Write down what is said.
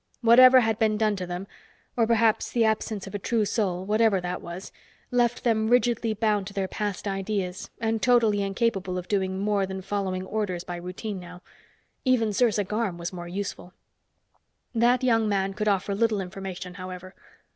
Whatever had been done to them or perhaps the absence of a true soul, whatever that was left them rigidly bound to their past ideas and totally incapable of doing more than following orders by routine now. Even Sersa Garm was more useful. That young man could offer little information, however.